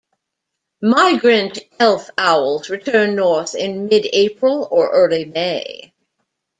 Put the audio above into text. Migrant elf owls return north in mid-April or early May.